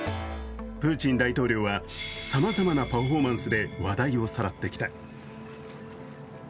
プーチン大統領は、様々なパフォーマンスで話題をさらってきた。